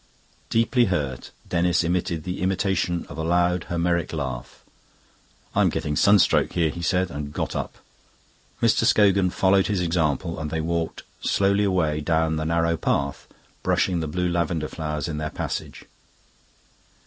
Deeply hurt, Denis emitted the imitation of a loud Homeric laugh. "I'm getting sunstroke here," he said, and got up. Mr. Scogan followed his example, and they walked slowly away down the narrow path, brushing the blue lavender flowers in their passage.